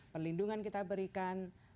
perlindungan kita berikan